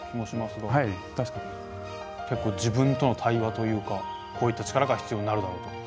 けっこう自分との対話というかこういったチカラが必要になるだろうと。